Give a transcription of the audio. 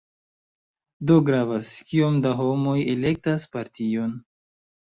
Do gravas, kiom da homoj elektas partion.